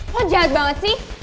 lo jahat banget sih